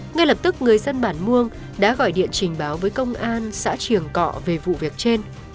ngay lập tức người dân bản muông đã gọi điện trình báo với công an xã trường cọ về vụ việc trên